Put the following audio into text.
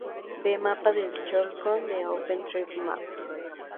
Ver mapa de Cholchol en OpenstreetMap.